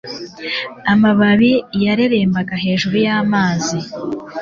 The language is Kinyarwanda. Amababi yareremba hejuru y'amazi.